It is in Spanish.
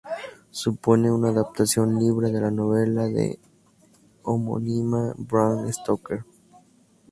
Supone una adaptación libre de la novela de homónima Bram Stoker.